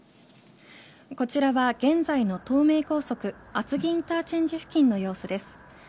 こちらは現在の東名高速厚木インターチェンジ付近の様子です。